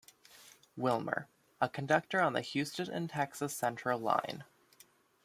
Wilmer, a conductor on the Houston and Texas Central line.